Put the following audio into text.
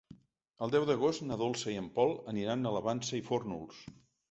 El deu d'agost na Dolça i en Pol aniran a la Vansa i Fórnols.